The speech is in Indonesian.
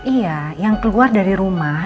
iya yang keluar dari rumah